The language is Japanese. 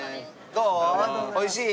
どう？